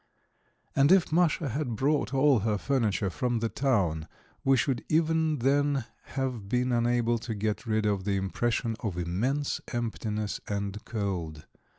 And if Masha had brought all her furniture from the town we should even then have been unable to get rid of the impression of immense emptiness and cold.